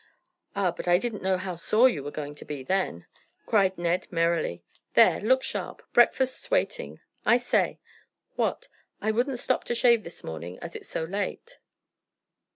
"Ah, but I didn't know how sore you were going to be then," cried Ned merrily. "There, look sharp. Breakfast's waiting. I say." "What?" "I wouldn't stop to shave this morning as it's so late."